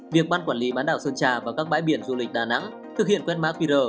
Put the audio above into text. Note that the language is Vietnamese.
việc ban quản lý bán đảo sơn trà và các bãi biển du lịch đà nẵng thực hiện quét mã qr